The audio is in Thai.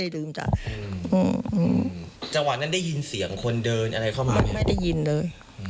ลุกอย่างเร็วเลย